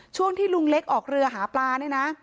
ช่วงที่ลุงเล็กออกเรือหาปลาเนี่ยนะ